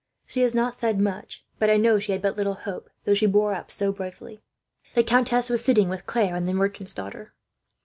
She has not said much, but I know she had but little hope, though she bore up so bravely." The countess was sitting, with Claire and the merchant's daughter.